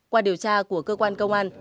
qua điều tra của cơ quan công an